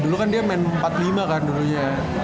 dulu kan dia main empat puluh lima kan dulunya